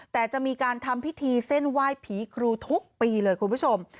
แต่จะมีการทำพิธีเส้นไหว้ผีครูทุกปีเลยคุณผู้ชม